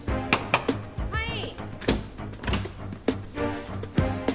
はい。